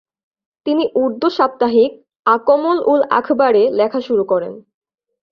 তিনি উর্দু সাপ্তাহিক আকমল উল আখবার এ লেখা শুরু করেন।